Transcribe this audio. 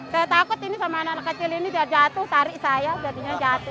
saya takut ini sama anak anak kecil ini dia jatuh tarik saya jadinya jatuh